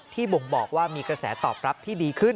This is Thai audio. บ่งบอกว่ามีกระแสตอบรับที่ดีขึ้น